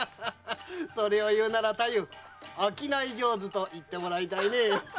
それを言うなら「商い上手」と言ってもらいたいねえ。